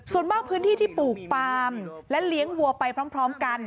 ส่วนมากพื้นที่ที่ปลูกปามและเลี้ยงวัวไปพร้อมกัน